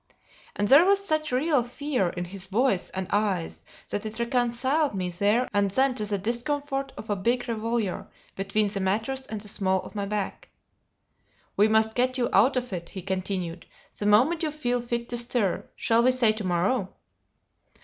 And there was such real fear, in his voice and eyes, that it reconciled me there and then to the discomfort of a big revolver between the mattress and the small of my back. "We must get you out of it," he continued, "the moment you feel fit to stir. Shall we say to morrow?"